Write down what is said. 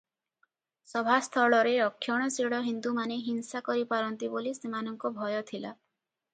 ସଭାସ୍ଥଳରେ ରକ୍ଷଣଶୀଳ ହିନ୍ଦୁମାନେ ହିଂସା କରିପାରନ୍ତି ବୋଲି ସେମାନଙ୍କ ଭୟ ଥିଲା ।